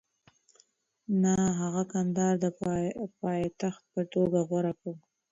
نه، هغه کندهار د پایتخت په توګه غوره کړ.